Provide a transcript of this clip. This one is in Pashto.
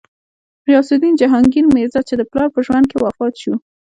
غیاث الدین جهانګیر میرزا، چې د پلار په ژوند کې وفات شو.